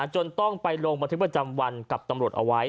จนต้องไปลงบันทึกประจำวันกับตำรวจเอาไว้